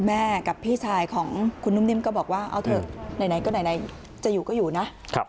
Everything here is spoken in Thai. แม่กับพี่ชายของคุณนุ่มนิ่มก็บอกว่าเอาเถอะไหนก็ไหนจะอยู่ก็อยู่นะ